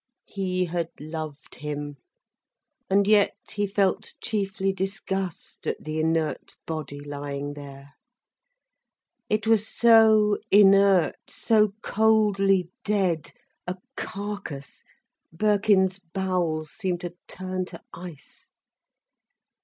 He had loved him. And yet he felt chiefly disgust at the inert body lying there. It was so inert, so coldly dead, a carcase, Birkin's bowels seemed to turn to ice.